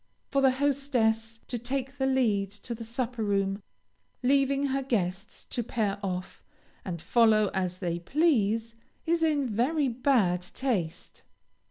For the hostess to take the lead to the supper room, leaving her guests to pair off, and follow as they please, is in very bad taste.